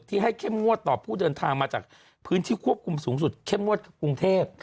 ให้เข้มงวดต่อผู้เดินทางมาจากพื้นที่ควบคุมสูงสุดเข้มงวดกรุงเทพ